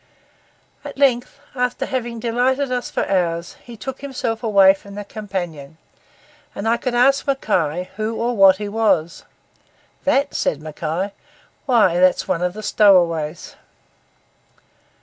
At length, after having delighted us for hours, he took himself away from the companion; and I could ask Mackay who and what he was. 'That?' said Mackay. 'Why, that's one of the stowaways.